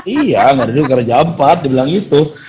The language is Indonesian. iya gak ada duit ke raja ampat dia bilang gitu